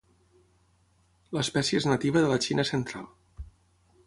L'espècia és nativa de la Xina central.